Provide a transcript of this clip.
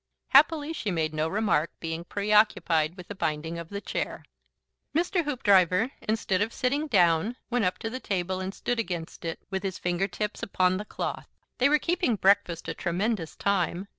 Happily she made no remark, being preoccupied with the binding of the chair. Mr. Hoopdriver, instead of sitting down, went up to the table and stood against it, with his finger tips upon the cloth. They were keeping breakfast a tremendous time.